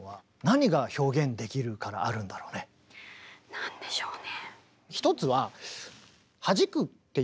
何でしょうね。